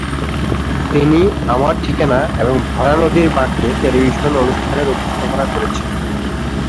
তিনি "আমার ঠিকানা" এবং "ভরা নদীর বাঁকে" টেলিভিশন অনুষ্ঠানের উপস্থাপনা করেছেন।